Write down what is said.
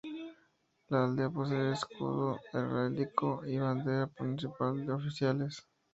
La Aldea posee escudo heráldico y bandera municipal oficiales.